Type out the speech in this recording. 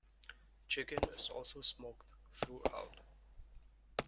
Chicken is also smoked throughout.